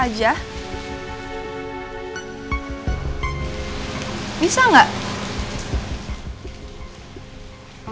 kamu tuh bisa gak sih fokus mikirin keluarga kita aja